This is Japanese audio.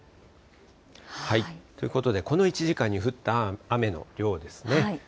ということで、この１時間に降った雨の量ですね。